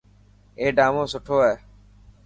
اي ڊامون سٺو هي.